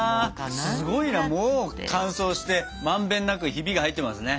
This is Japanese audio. すごいなもう乾燥してまんべんなくヒビが入ってますね。